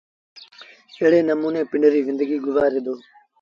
ايڙي نموٚني پنڊريٚ زندگيٚ گزآري دو۔